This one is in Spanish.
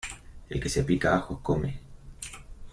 El que se pica ajos come.